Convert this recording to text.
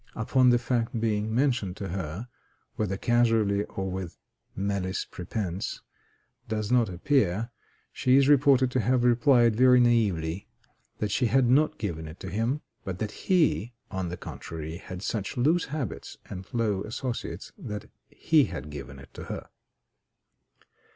Upon the fact being mentioned to her, whether casually or with malice prepense does not appear, she is reported to have replied very naïvely that she had not given it to him, but that he, on the contrary, had such loose habits and low associates that he had given it to her.